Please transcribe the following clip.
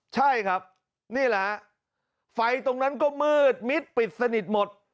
ใช่ครับนี่แหละฮะไฟตรงนั้นก็มืดมิดปิดสนิทหมด